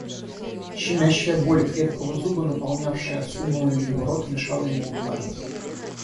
Щемящая боль крепкого зуба, наполнявшая слюною его рот, мешала ему говорить.